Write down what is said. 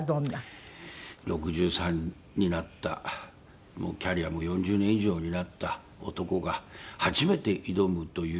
６３になったもうキャリアも４０年以上になった男が初めて挑むという。